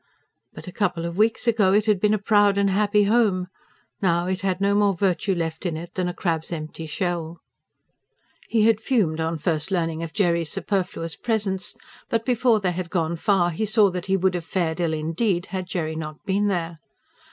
But a couple of weeks ago it had been a proud and happy home. Now it had no more virtue left in it than a crab's empty shell. He had fumed on first learning of Jerry's superfluous presence; but before they had gone far he saw that he would have fared ill indeed, had Jerry not been there.